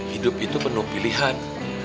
hidup itu penuh pilihan